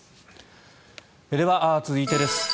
では、続いてです。